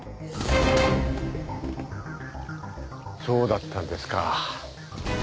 そうだったんですか。